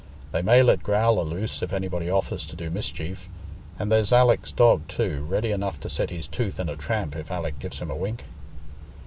They may let Growler loose if anybody offers to do mischief, and there's Alick's dog too, ready enough to set his tooth in a tramp if Alick gives him a wink."